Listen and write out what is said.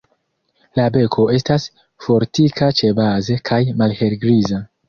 La beko estas fortika ĉebaze kaj malhelgriza.